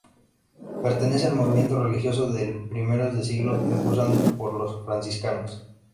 Pertenece al movimiento religioso de primeros de siglo, impulsado por los franciscanos.